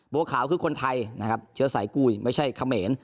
บัวขาวคือคนไทยนะครับเชื้อสายกุ้ยไม่ใช่เขมร